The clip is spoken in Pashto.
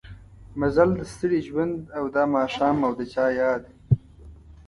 مزل د ستړي ژوند او دا ماښام او د چا ياد